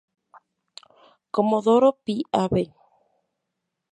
Comodoro Py, Av.